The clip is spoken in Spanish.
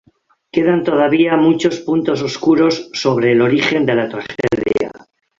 Quedan todavía muchos puntos oscuros sobre el origen de la tragedia.